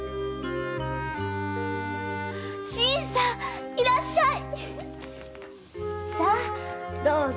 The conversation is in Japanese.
新さんいらっしゃい。